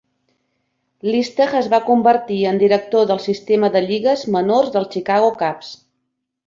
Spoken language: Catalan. Listach es va convertir en director del sistema de lligues menors del Chicago Cubs.